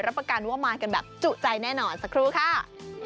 ประกันว่ามากันแบบจุใจแน่นอนสักครู่ค่ะ